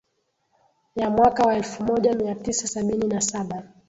Ya mwaka wa elfu moja mia tisa sabini na saba